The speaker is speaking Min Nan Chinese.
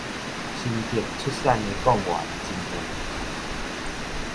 新竹出產的貢丸真有名